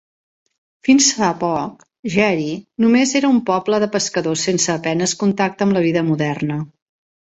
Fins fa poc, Jeri només era un poble de pescadors sense a penes contacte amb la vida moderna.